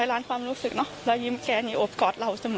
ร้อยล้านความรู้สึกรอยยิ้มแกนี่อบกอดเราเสมอ